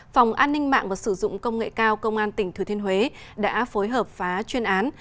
phòng an ninh mạng và sử dụng công nghệ cao công an tỉnh thừa thiên huế đã phối hợp phá chuyên án